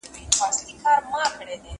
زه به سبا بازار ته ځم وم!